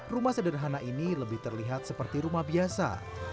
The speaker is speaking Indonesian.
rumah sederhana ini lebih terlihat seperti rumah biasa